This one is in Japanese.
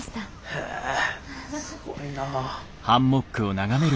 へえすごいなぁはあ。